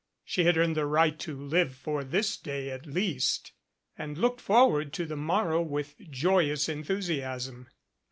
She had earned the right to live for this day at least, and looked forward to the morrow with joyous enthusiasm.